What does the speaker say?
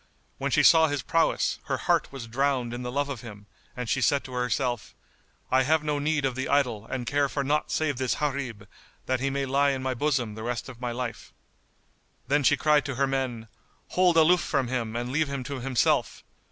When she saw his prowess, her heart was drowned in the love of him and she said to herself, "I have no need of the idol and care for naught save this Gharib, that he may lie in my bosom the rest of my life." Then she cried to her men, "Hold aloof from him and leave him to himself!"